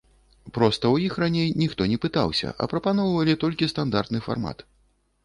Проста ў іх раней ніхто не пытаўся, а прапаноўвалі толькі стандартны фармат.